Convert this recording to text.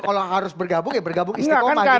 kalau harus bergabung ya bergabung istikomah gitu ya